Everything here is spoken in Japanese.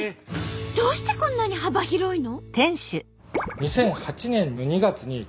どうしてこんなに幅広いの？